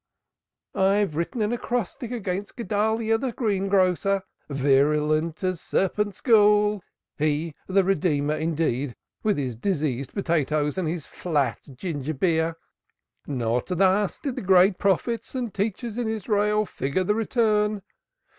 But I have written an acrostic against Guedalyah the greengrocer, virulent as serpent's gall. He the Redeemer, indeed, with his diseased potatoes and his flat ginger beer! Not thus did the great prophets and teachers in Israel figure the Return.